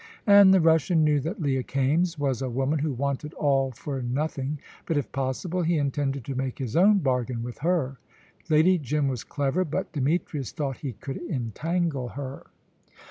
And the Russian knew that Leah Kaimes was a woman who wanted all for nothing, but, if possible, he intended to make his own bargain with her. Lady Jim was clever, but Demetrius thought he could entangle her.